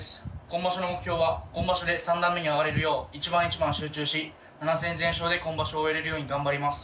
今場所の目標は今場所で三段目に上がれるよう一番一番集中し７戦全勝で今場所を終えれるように頑張ります。